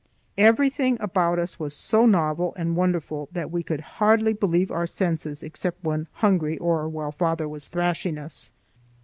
Everything about us was so novel and wonderful that we could hardly believe our senses except when hungry or while father was thrashing us.